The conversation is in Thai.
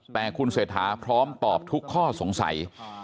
แต่คุณเศรษฐาพร้อมตอบทุกข้อสงสัย